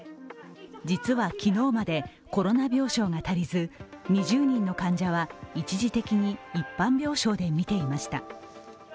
実は昨日までコロナ病床が足りず２０人の患者は一時的に一般病床で診ていました。